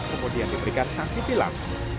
kemudian diberikan sanksi bilang